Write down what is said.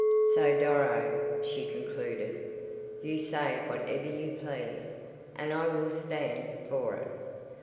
"So, Doro," she concluded "you say whatever you please, and I will 'stand' for it.